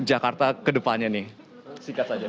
jakarta kedepannya nih